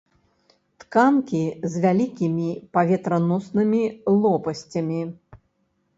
Тканкі з вялікімі паветраноснымі лопасцямі.